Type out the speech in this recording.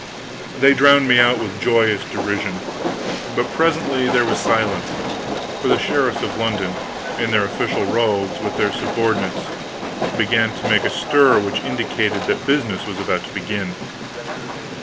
They drowned me out with joyous derision. But presently there was silence; for the sheriffs of London, in their official robes, with their subordinates, began to make a stir which indicated that business was about to begin.